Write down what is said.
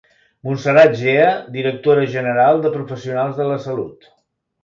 Montserrat Gea, directora general de Professionals de la Salut.